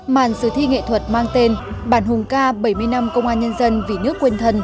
màn sử thi nghệ thuật mang tên bản hùng ca bảy mươi năm công an nhân dân vì nước quên thân